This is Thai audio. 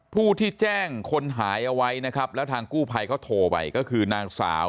ผู้ที่แจ้งคนหายเอาไว้นะครับแล้วทางกู้ภัยเขาโทรไปก็คือนางสาว